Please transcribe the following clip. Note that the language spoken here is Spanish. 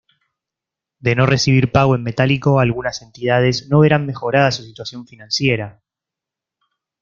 De no recibir pago en metálico algunas entidades no verán mejorada su situación financiera.